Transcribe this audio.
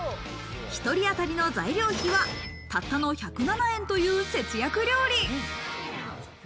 １人当たりの材料費は、たったの１０７円という節約料理。